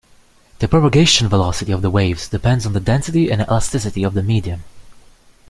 The propagation velocity of the waves depends on density and elasticity of the medium.